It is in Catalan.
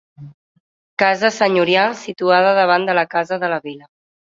Casa senyorial situada davant de la casa de la Vila.